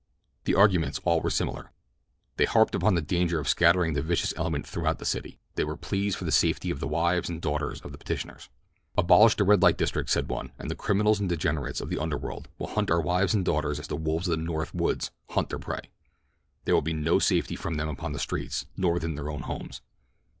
The arguments all were similar. They harped upon the danger of scattering the vicious element throughout the city—they were pleas for the safety of the wives and daughters of the petitioners. "Abolish the red light district," said one, "and the criminals and degenerates of the underworld will hunt our wives and daughters as the wolves of the North woods hunt their prey—there will be no safety for them upon the streets nor within their own homes.